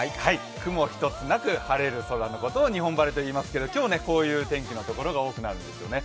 雲一つなく晴れる空のことを日本晴れといいますけれども今日、こういう天気のところが多くなりますね。